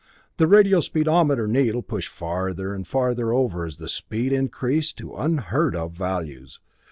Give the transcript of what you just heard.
The radio speedometer needle pushed farther and farther over as the speed increased to unheard of values.